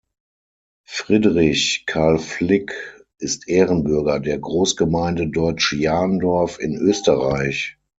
Friedrich Karl Flick ist Ehrenbürger der Großgemeinde Deutsch Jahrndorf in Österreich.